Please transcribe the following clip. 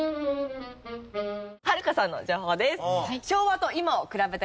はるかさんの情報です。